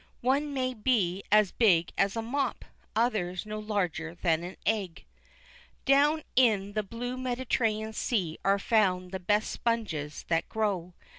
One may be as big as a mop, others no larger than an egg. Down in the blue Mediterranean Sea are found the best sponges that grow.